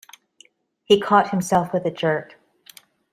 He caught himself with a jerk.